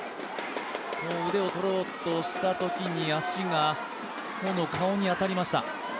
腕をとろうとしたときに足がホの顔に当たりました。